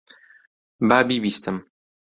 با بیبیستم.